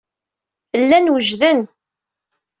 Llan wejden.